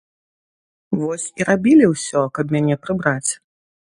Вось і рабілі ўсё, каб мяне прыбраць.